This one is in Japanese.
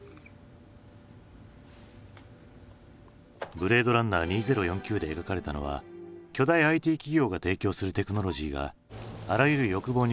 「ブレードランナー２０４９」で描かれたのは巨大ＩＴ企業が提供するテクノロジーがあらゆる欲望に応えてくれる未来だ。